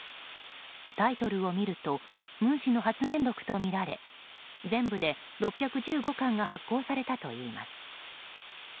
タイトルを見ると文氏の発言録とみられ全部で６１５巻が発行されたといいます。